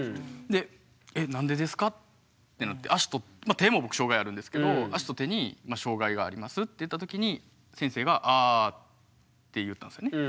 で「え何でですか？」ってなって足と手も僕障害あるんですけど。って言った時に先生が「あ」って言ったんすよね。